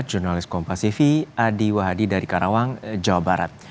jurnalis kompasiv adi wahdi dari karawang jawa barat